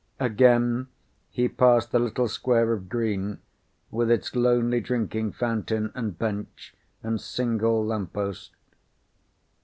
Again he passed the little square of green with its lonely drinking fountain and bench and single lamppost.